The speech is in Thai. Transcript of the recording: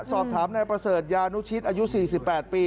สอบถามนายประเสริฐยานุชิตอายุ๔๘ปี